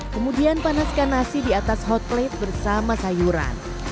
kemudian panaskan nasi di atas hot plate bersama sayuran